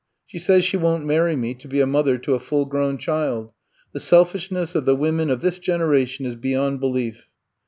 She says she won 't marry me to be a mother to a full grown child. The selfishness of the women of this generation is beyond be lief."